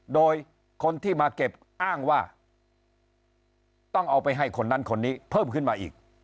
โดยคนที่มาเก็บอ้างว่าต้องเอาไปให้คนนั้นคนนี้เพิ่มขึ้นมาอีก